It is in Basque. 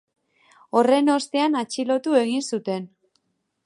Horren ostean atxilotu egin zuten.